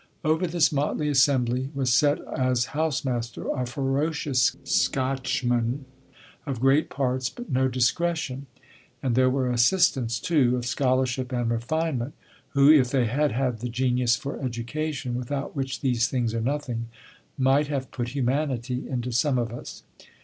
Over this motley assembly was set as house master a ferocious Scotchman of great parts, but no discretion; and there were assistants, too, of scholarship and refinement, who, if they had had the genius for education, without which these things are nothing, might have put humanity into some of us.